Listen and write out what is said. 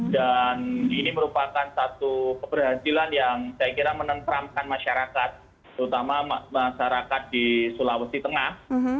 dan ini merupakan satu keberhasilan yang saya kira menentramkan masyarakat terutama masyarakat di sulawesi tengah